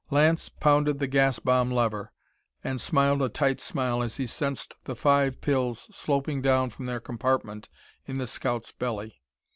Lance pounded the gas bomb lever, and smiled a tight smile as he sensed the five pills sloping down from their compartment in the scout's belly.